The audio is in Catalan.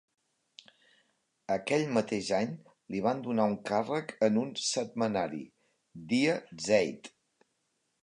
Aquell mateix any li van donar un càrrec en un setmanari: Die Zeit.